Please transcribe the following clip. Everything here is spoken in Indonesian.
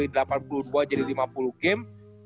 delapan puluh dua jadi lima puluh game